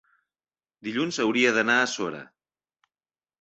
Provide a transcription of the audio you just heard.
dilluns hauria d'anar a Sora.